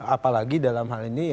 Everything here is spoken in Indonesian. apalagi dalam hal ini